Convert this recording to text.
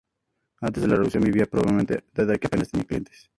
Antes de la Revolución vivía pobremente, dado que apenas tenía clientes.